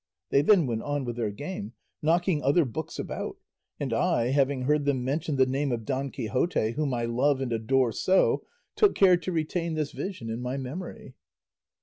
They then went on with their game, knocking other books about; and I, having heard them mention the name of Don Quixote whom I love and adore so, took care to retain this vision in my memory."